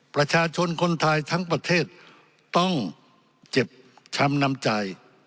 ประชาชนคนไทยทั้งประเทศต้องเจ็บช้ำน้ำใจ